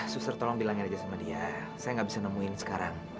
suster tolong bilangin aja sama dia saya nggak bisa nemuin sekarang